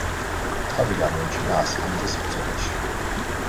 თავი გამოიჩინა ასპინძის ბრძოლაში.